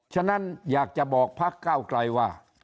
ฉะนั้นอยากจะบอกพักเก้าไกลว่า